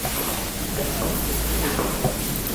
بسب آپ خوݾ ھوݾ ھونن